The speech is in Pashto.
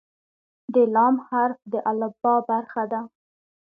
د "ل" حرف د الفبا برخه ده.